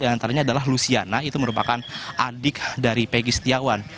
di antaranya adalah luciana itu merupakan adik dari pegi setiawan